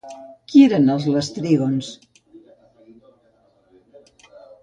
Qui eren els lestrígons?